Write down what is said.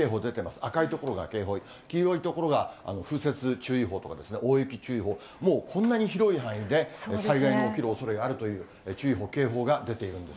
赤い所が警報、黄色い所が風雪注意報とか大雪注意報、もうこんなに広い範囲で、災害の起きるおそれがあるという注意報、警報が出ているんです。